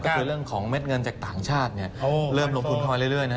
ก็คือเรื่องของเม็ดเงินจากต่างชาติเริ่มลงทุนคอยเรื่อย